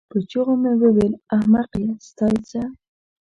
په چيغو مې وویل: احمقې ستا یې څه؟